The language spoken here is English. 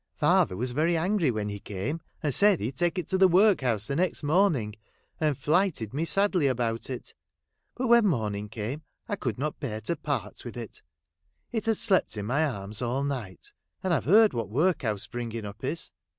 Father was very angry when he came, and said he'd take it to the workhouse the next morning, and flyted me sadly about it, But when morning came I could not bear to part with it ; it had slept in my arms all night ; and I've heard what workhouse bring ing up is.